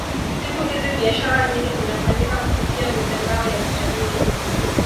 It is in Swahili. siku hizi biashara nyingi zinafanyika kupitia mitandao ya kijamii